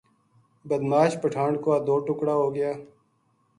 بِدمعاش پٹھان کا دو ٹکڑا ہو گیا